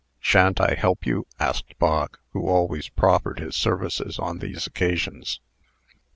"Sha'n't I help you?" asked Bog, who always proffered his services on these occasions.